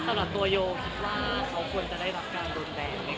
สำหรับตัวโยคว่าเขาควรจะได้รับการโดนแบบเนี่ยค่ะ